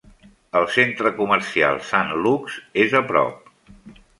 El centre comercial Sant Lukes és a prop.